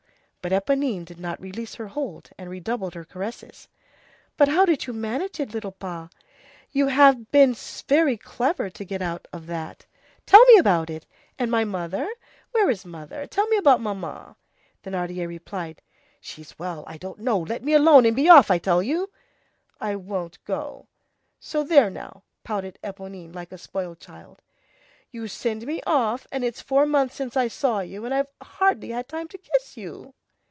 But Éponine did not release her hold, and redoubled her caresses. "But how did you manage it, little pa? You must have been very clever to get out of that. Tell me about it! And my mother? Where is mother? Tell me about mamma." Thénardier replied:— "She's well. I don't know, let me alone, and be off, I tell you." "I won't go, so there now," pouted Éponine like a spoiled child; "you send me off, and it's four months since I saw you, and I've hardly had time to kiss you."